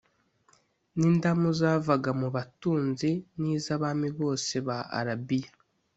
n’indamu zavaga mu batunzi n’iz’abami bose ba Arabiya